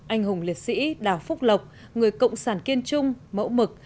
anh hùng liệt sĩ đào phúc lộc người cộng sản kiên trung mẫu mực